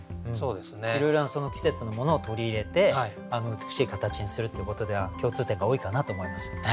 いろいろなその季節のものを取り入れて美しい形にするっていうことでは共通点が多いかなと思いますよね。